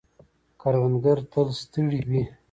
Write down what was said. کروندگر تل ستړي وي.